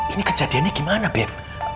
ini kejadiannya gimana beb